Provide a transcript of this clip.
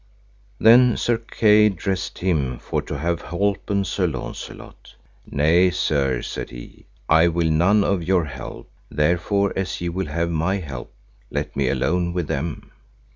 Then Sir Kay dressed him for to have holpen Sir Launcelot. Nay, sir, said he, I will none of your help; therefore as ye will have my help, let me alone with them.